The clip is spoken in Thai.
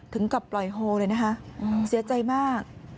ถึงกับปล่อยโฮเลยนะคะเสียใจมาก